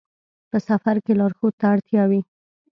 په سفر کې لارښود ته اړتیا وي.